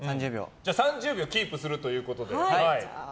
３０秒キープするということで。